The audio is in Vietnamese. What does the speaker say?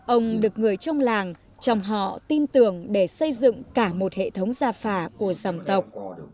ông được người trong làng chồng họ tin tưởng để xây dựng cả một hệ thống gia phà của sầm tộc